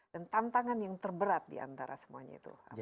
dan tantangan yang terberat diantara semuanya itu apa